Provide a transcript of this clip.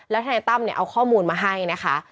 ทนายตั้มเนี่ยเอาข้อมูลมาให้นะคะ